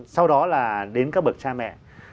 sau đó là đến các bậc cha mẹ